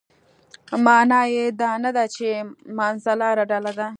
معنا یې دا نه ده چې منځلاره ډله ده.